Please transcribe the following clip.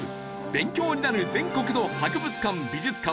勉強になる全国の博物館・美術館